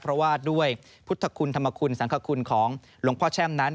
เพราะว่าด้วยพุทธคุณธรรมคุณสังคคุณของหลวงพ่อแช่มนั้น